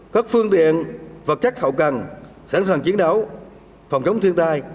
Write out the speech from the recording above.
các phương tiện vật chất hậu cần sẵn sàng chiến đấu phòng chống thiên tai